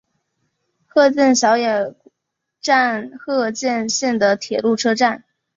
鹤见小野站鹤见线的铁路车站。